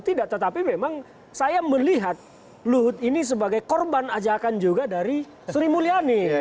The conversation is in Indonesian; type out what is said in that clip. tidak tetapi memang saya melihat luhut ini sebagai korban ajakan juga dari sri mulyani